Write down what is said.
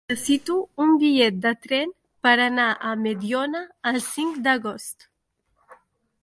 Necessito un bitllet de tren per anar a Mediona el cinc d'agost.